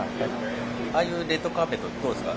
ああいうレッドカーペットはどうですか？